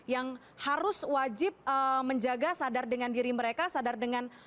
yang harus wajib menjaga sadar dengan diri mereka sadar dengan